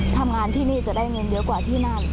ทำงานที่นี่จะได้เงินเยอะกว่าที่นั่น